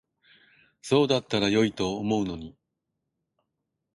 そうだったら良いと思うのに。